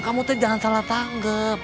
kamu tuh jangan salah tanggep